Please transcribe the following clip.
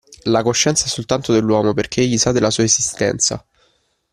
La coscienza è soltanto dell'uomo perché egli sa della sua esistenza.